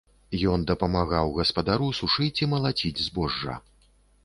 Ён дапамагаў гаспадару сушыць і малаціць збожжа.